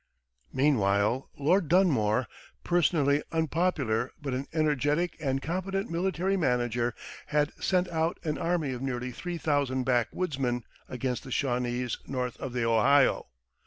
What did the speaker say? Meanwhile Lord Dunmore, personally unpopular but an energetic and competent military manager, had sent out an army of nearly three thousand backwoodsmen against the Shawnese north of the Ohio.